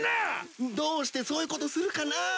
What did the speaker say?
どうしてそういうことするかな。